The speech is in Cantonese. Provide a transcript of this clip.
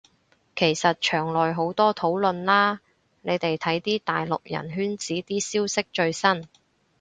其實牆內好多討論啦，你哋睇啲大陸人圈子啲消息最新